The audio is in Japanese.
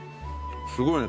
すごいね。